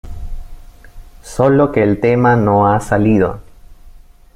solo que el tema no ha salido.